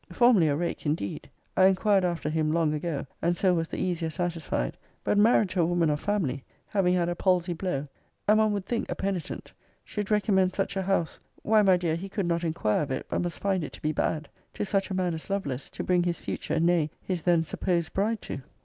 ] formerly a rake, indeed, [I inquired after him long ago; and so was the easier satisfied;] but married to a woman of family having had a palsy blow and, >>> one would think, a penitent, should recommend such a house [why, my dear, he could not inquire of it, but must find it to be bad] to such a man as Lovelace, to bring his future, nay, his then supposed, bride to?